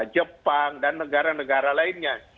jepang dan negara negara lainnya